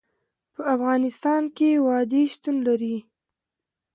په افغانستان کې وادي شتون لري.